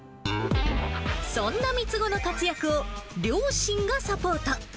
そんな３つ子の活躍を両親がサポート。